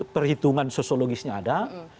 perhitungan sosiologisnya ada